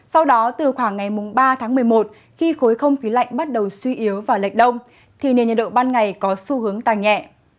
sau đó từ khoảng ngày ba tháng một mươi một khi khối không khí lạnh bắt đầu suy yếu và lệch đông thì nền nhiệt độ ban ngày có xu hướng tăng nhẹ